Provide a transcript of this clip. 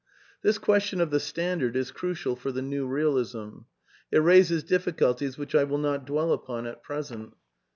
(This question of tji e standard i s crucial for the New Eealism. It raises difficulties which I will not dwell upon at present.)